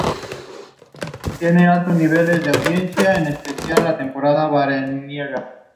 El centro de sus operaciones se encuentra en la ciudad de Culiacán, Sinaloa.